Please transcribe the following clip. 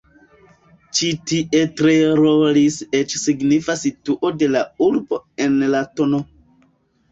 Ĉi tie tre rolis eĉ signifa situo de la urbo en la tn.